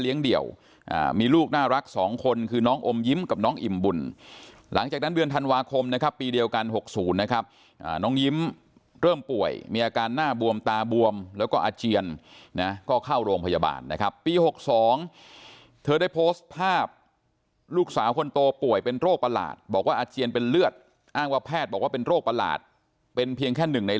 ยิ้มกับน้องอิ่มบุญหลังจากนั้นเวือนธันวาคมนะครับปีเดียวกันหกศูนย์นะครับอ่าน้องยิ้มเริ่มป่วยมีอาการหน้าบวมตาบวมแล้วก็อาเจียนนะก็เข้าโรงพยาบาลนะครับปีหกสองเธอได้โพสต์ภาพลูกสาวคนโตป่วยเป็นโรคประหลาดบอกว่าอาเจียนเป็นเลือดอ้างว่าแพทย์บอกว่าเป็นโรคประหลาดเป็นเพีย